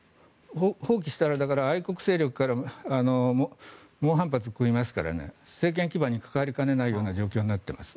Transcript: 放棄したら愛国勢力から猛反発を食らいますから政権基盤に関わりかねないような状況になっています。